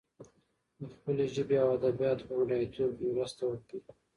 د خپلې ژبې او ادبياتو په بډايتوب کې مرسته وکړي.